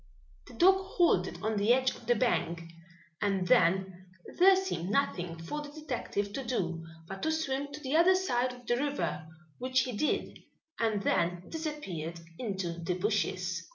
The dog halted on the edge of the bank, and then there seemed nothing for the detective to do but to swim to the other side of the river, which he did, and then disappeared into the bushes.